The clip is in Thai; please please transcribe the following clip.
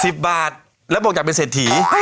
สิบบาทแล้วบอกอยากเป็นเศรษฐี